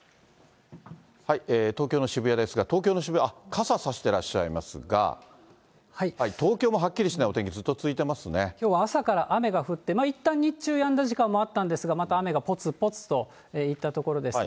東京の渋谷ですが、東京の渋谷、傘差してらっしゃいますが、東京もはっきりしないお天気、きょうは朝から雨が降って、いったん日中、やんだ時間もあったんですが、また雨がぽつぽつといったところですね。